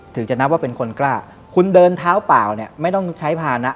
ถึงจะนับว่าเป็นคนกล้าคุณเดินเท้าเปล่าเนี่ยไม่ต้องใช้ภานะ